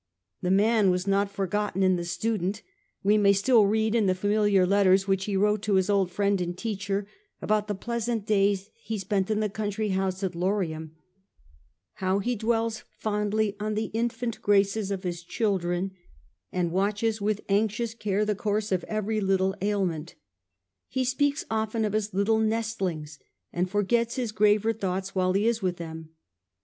The man was not forgotten in the student. We may still read in the familiar letters which he wrote to his old friend and teacher about the pleasant days he without spent in the country house at Lorium, how he loss of ten dwells fondly on the infant graces of his children, and watches with anxious care the course of every little ailment He speaks often of his little nestlings, and forgets his graver thoughts while he is with them.